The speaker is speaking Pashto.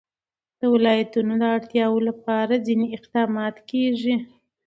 د ولایتونو د اړتیاوو لپاره ځینې اقدامات کېږي.